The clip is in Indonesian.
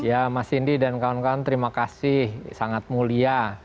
ya mas indi dan kawan kawan terima kasih sangat mulia